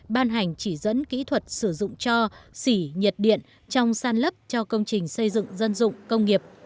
ban hành chỉ dẫn kỹ thuật sử dụng cho xỉ nhiệt điện trong san lấp cho công trình xây dựng dân dụng công nghiệp